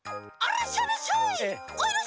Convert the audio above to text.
らっしゃいらっしゃい！